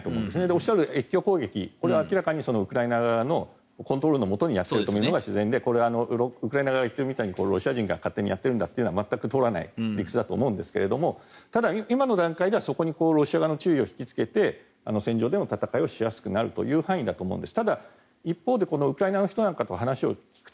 おっしゃるように越境攻撃これは明らかにウクライナ側のコントロールのもとでやっていると考えるのが自然でこれはウクライナ側が言っているみたいにロシア人が勝手にやっているというのは全く通らない理屈だと思うんですがただ、今の段階ではロシア側の注意を引きつけて戦場での戦いをしやすくなるという範囲だと思うんです。